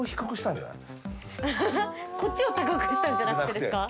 こっちを高くしたんじゃなくてですか？